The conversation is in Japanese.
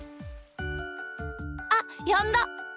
あっやんだ。